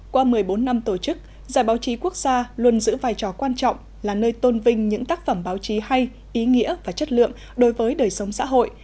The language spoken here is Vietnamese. qua một mươi bốn năm tổ chức giải báo chí quốc gia luôn giữ vai trò quan trọng là nơi tôn vinh những tác phẩm báo chí hay ý nghĩa và chất lượng đối với đời sống xã hội